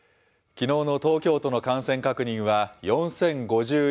きのうの東京都の感染確認は４０５１人。